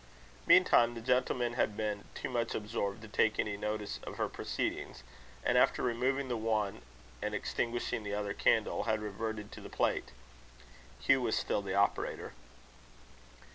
Meantime, the gentlemen had been too much absorbed to take any notice of her proceedings, and, after removing the one and extinguishing the other candle, had reverted to the plate. Hugh was still the operator.